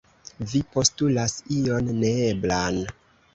Vi postulas ion neeblan.